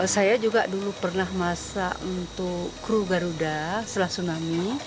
saya juga dulu pernah masak untuk kru garuda setelah tsunami